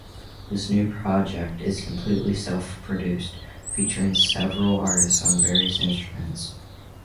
This new project is completely self produced, featuring several artists on various instruments.